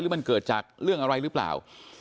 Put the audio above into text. หรือมันเกิดจากเรื่องอะไรหรือเปล่า